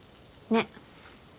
ねっ。